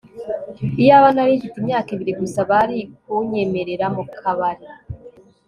iyaba narimfite imyaka ibiri gusa, bari kunyemerera mukabari